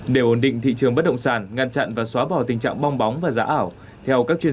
để ổn định thị trường bất động sản ngăn chặn và xóa bỏ tình trạng bong bóng và giá ảo theo các chuyên